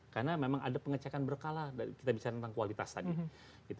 karena memang ada pengecekan berkala kita bicara tentang kualitas tadi